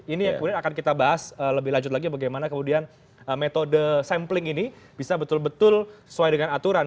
ini yang kemudian akan kita bahas lebih lanjut lagi bagaimana kemudian metode sampling ini bisa betul betul sesuai dengan aturan